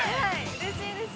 うれしいです。